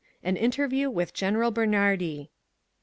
An Interview with General Bernhardi.